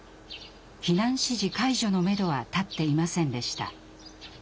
避難指示解除のめどは立っていませんでした。